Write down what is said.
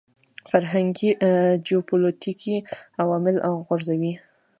فرهنګي جیوپولیټیکي عوامل غورځوي.